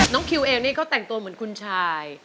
คิวเองนี่เขาแต่งตัวเหมือนคุณชาย